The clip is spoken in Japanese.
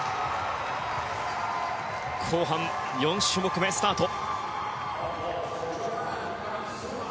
後半４種目めスタート。